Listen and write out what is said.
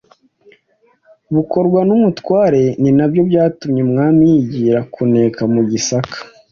bukorwa n’umutware ,ninabyo byatumye umwami yigira kuneka mu Gisaka.